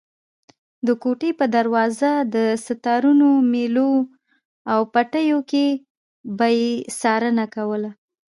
د کوټې په دروازه، دستارونو، مېلو او پټیو کې به یې څارنه کوله.